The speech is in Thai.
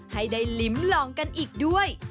ให้ได้ลิ้มลองกันอีกด้วย